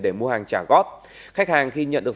để mua hàng trả góp khách hàng khi nhận được